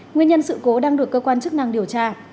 nguyên nhân sự cố đang được cơ quan chức năng điều tra